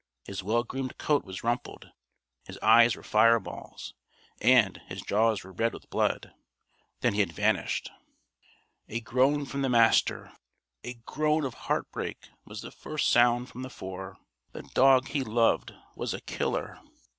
His well groomed coat was rumpled. His eyes were fire balls. And his jaws were red with blood. Then he had vanished. A groan from the Master a groan of heartbreak was the first sound from the four. The dog he loved was a killer.